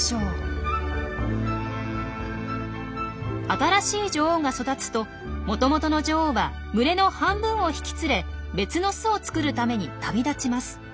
新しい女王が育つともともとの女王は群れの半分を引き連れ別の巣を作るために旅立ちます。